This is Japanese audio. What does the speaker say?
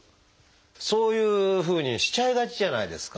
そういうふうにしちゃいがちじゃないですか。